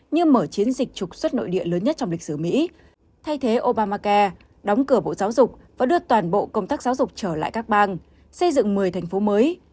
như mở chiến dịch trục xuất nội địa lớn nhất trong lịch sử mỹ thay thế obamacare đóng cửa bộ giáo dục và đưa toàn bộ công tác giáo dục trở lại các bang xây dựng một mươi thành phố mới